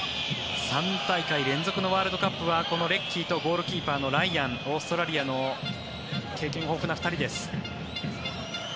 ３大会連続のワールドカップはこのレッキーとゴールキーパーのライアンオーストラリアの経験豊富な２人です。